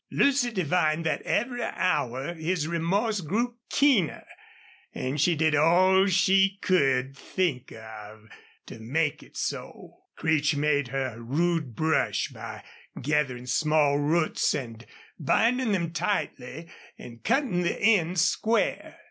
Lucy divined that every hour his remorse grew keener, and she did all she could think of to make it so. Creech made her a rude brush by gathering small roots and binding them tightly and cutting the ends square.